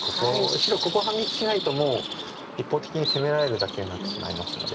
白ここ反撃しないともう一方的に攻められるだけになってしまいますので。